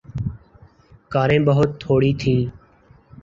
کاریں بہت تھوڑی تھیں۔